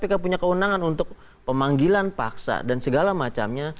kpk punya kewenangan untuk pemanggilan paksa dan segala macamnya